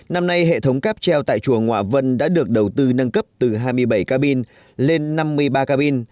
năm nay hệ thống cáp treo tại chùa ngoạ vân đã được đầu tư nâng cấp từ hai mươi bảy ca bin lên năm mươi ba ca bin